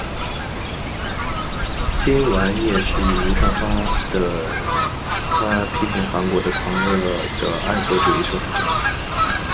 金完燮是与吴善花的他批评韩国的狂热的爱国主义受害者。